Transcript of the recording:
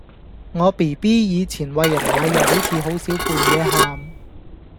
我 bb 以前餵人奶又好似好少半夜喊